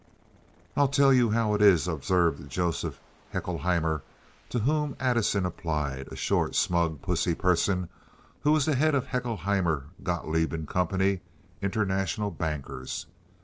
"I'll tell you how it is," observed Joseph Haeckelheimer, to whom Addison applied—a short, smug, pussy person who was the head of Haeckelheimer, Gotloeb & Co., international bankers.